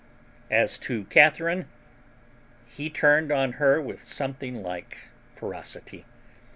As to Catharine, he turned on her with something like ferocity.